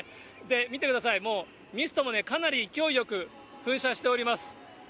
見てください、もうミストもね、かなり勢いよく噴射しております。